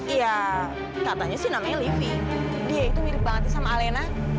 iya katanya sih namanya livi dia itu mirip banget sama alena